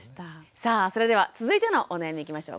さあそれでは続いてのお悩みいきましょう。